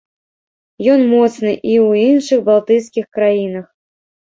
Ён моцны і ў іншых балтыйскіх краінах.